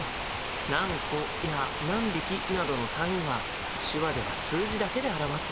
何個や何匹などの単位は手話では数字だけで表すんだ。